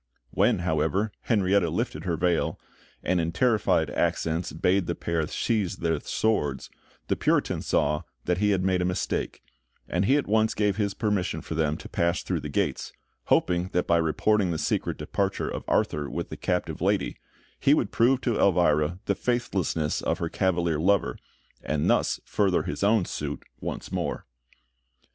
When, however, Henrietta lifted her veil, and in terrified accents bade the pair sheathe their swords, the Puritan saw that he had made a mistake; and he at once gave his permission for them to pass through the gates, hoping that by reporting the secret departure of Arthur with the captive lady, he would prove to Elvira the faithlessness of her Cavalier lover, and thus further his own suit once more.